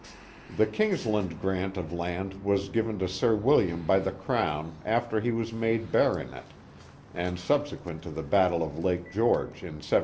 The Kingsland grant of land was given to Sir William by the Crown after he was made Baronet and subse quent to the battle of Lake George in 1755.